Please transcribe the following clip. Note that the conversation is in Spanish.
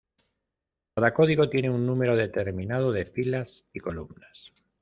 Cada código tiene un número determinado de filas y columnas.